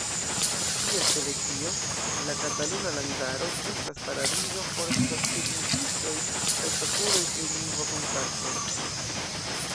Kiel Kebekio, la Kataluna Landaro estas paradizo por socilingvistoj kaj fakuloj pri lingvo-kontaktoj.